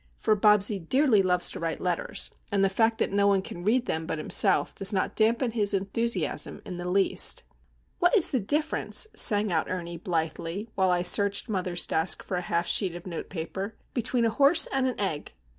For Bobsie dearly loves to write letters, and the fact that no one can read them but himself does not dampen his enthusiasm in the least. "What is the difference," sang out Ernie, blithely, while I searched mother's desk for a half sheet of note paper, "between a horse and an egg?"